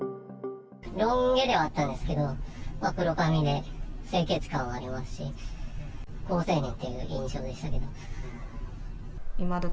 ロン毛ではあったんですけど、まあ、黒髪で清潔感はありますし、好青年という印象でしたけど。